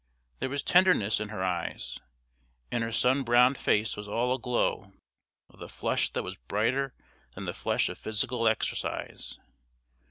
There was tenderness in her eyes, and her sunbrowned face was all aglow with a flush that was brighter than the flush of physical exercise.